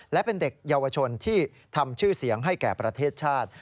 และเป็นเด็กเยาวชนที่ทำชื่อเสียงให้แก่ประเทศชาติ